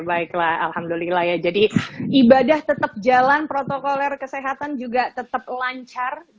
baiklah di hasil kabar dulu ya kedepan ibadah tetap jalan protokol kesehatan juga tetap lancar